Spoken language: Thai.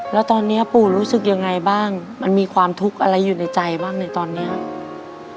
แล้วตอนนี้ปู่รู้สึกยังไงบ้างมันมีความทุกข์อะไรอยู่ในใจบ้างในตอนนี้